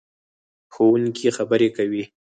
ښوونکې خبرې کوي.